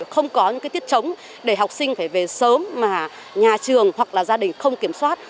không có những tiết chống để học sinh phải về sớm mà nhà trường hoặc là gia đình không kiểm soát